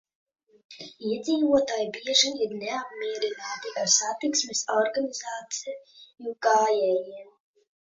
Iedzīvotāji bieži ir neapmierināti ar satiksmes organizāciju gājējiem.